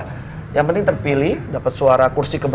dia menjaga perasaan gue